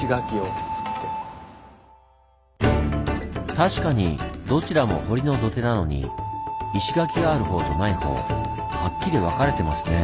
確かにどちらも堀の土手なのに石垣がある方とない方はっきり分かれてますねぇ。